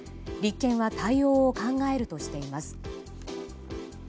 立憲は対応を考えるとしています。